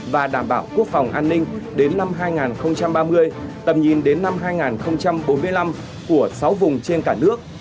và đảm bảo quốc phòng an ninh đến năm hai nghìn ba mươi tầm nhìn đến năm hai nghìn bốn mươi năm của sáu vùng trên cả nước